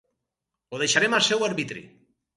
Ho deixarem al seu arbitri.